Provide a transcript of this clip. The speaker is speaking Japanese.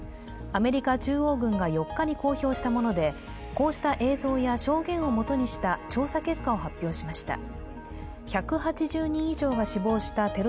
アメリカ中央軍が４日に公表したもので、こうした映像や証言をもとにした調査結果を発表しました。